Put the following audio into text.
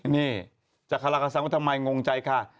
นี่จักรกษังวัฒนธรรมัยงงใจค่ะ